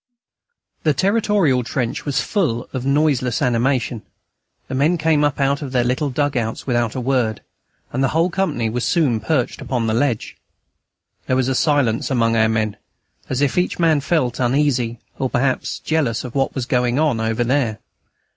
The Territorial trench was full of noiseless animation. The men came up out of their little dug outs without a word, and the whole company was soon perched upon the ledge. There was a silence among our men, as if each man felt uneasy or perhaps jealous of what was going on over there.